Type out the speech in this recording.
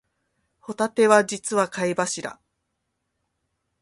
ホタテは実は貝柱